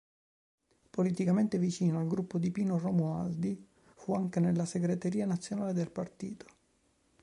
Politicamente vicino al gruppo di Pino Romualdi, fu anche nella segreteria nazionale del partito.